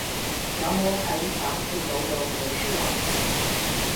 有冇喺反饋簿度寫出來